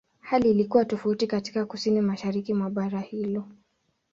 Hali ilikuwa tofauti katika Kusini-Mashariki mwa bara hilo.